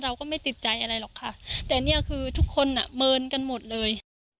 เราก็ไม่ติดใจอะไรหรอกค่ะแต่เนี่ยคือทุกคนอ่ะเมินกันหมดเลย